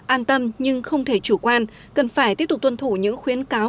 an tâm nhưng không thể chủ quan cần phải tiếp tục tuân thủ những khuyến cáo